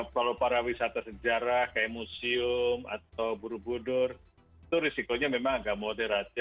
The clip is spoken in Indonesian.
kalau pariwisata sejarah kayak museum atau buru buru itu risikonya memang agak moderat